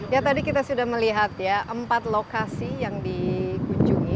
ya tadi kita sudah melihat ya empat lokasi yang dikunjungi